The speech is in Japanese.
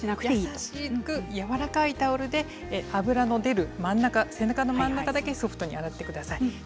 優しく、やわらかいタオルで脂の出る真ん中背中の真ん中だけソフトに洗ってください。